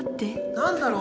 何だろう？